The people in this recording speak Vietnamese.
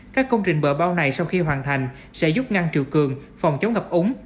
các công trình bờ bao này sau khi hoàn thành sẽ giúp ngăn triều cường phòng chống ngập úng